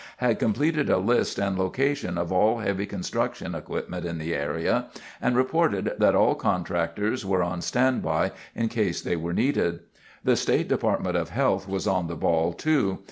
had completed a list and location of all heavy construction equipment in the area and reported that all contractors were on standby in case they were needed. The State Dept. of Health was on the ball, too.